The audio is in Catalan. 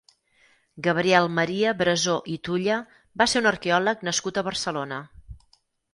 Gabriel Maria Brasó i Tulla va ser un arqueòleg nascut a Barcelona.